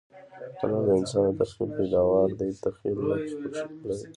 هنر د انسان د تخییل پیداوار دئ. تخییل نقش پکښي لري.